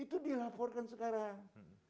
itu dilaporkan sekarang